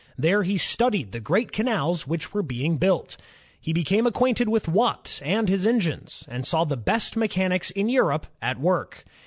There he studied the great canals which were being built. He became acquainted with Watt and his engines, and saw the best mechanics in Europe at work.